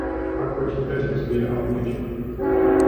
Pak počítač rozbije a uteče.